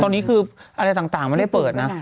ตอนนี้คืออะไรต่างไม่ได้เปิดนะ